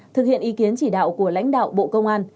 thực hiện ý kiến chỉ đạo của lãnh đạo bộ công an